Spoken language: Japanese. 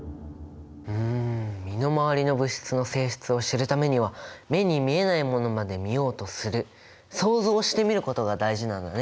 うん身の回りの物質の性質を知るためには目に見えないものまで見ようとする想像してみることが大事なんだね。